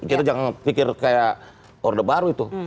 kita jangan pikir kayak orde baru itu